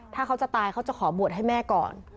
ถ้าเขาจะตายเขาจะขอบวชให้แม่ก่อน